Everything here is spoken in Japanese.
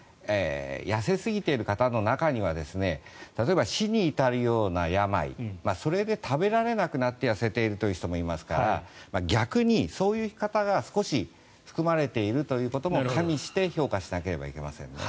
痩せすぎている方の中には例えば死に至るような病それで食べられなくなって痩せているという人もいますから逆にそういう方が少し含まれているということも加味して評価しなければいけませんね。